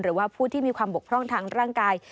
หรือว่าผู้ที่มีความบกพร่องทางร่างกาย